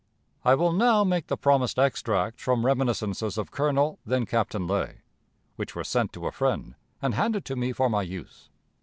I will now make the promised extracts from reminiscences of Colonel (then Captain) Lay, which were sent to a friend, and handed to me for my use.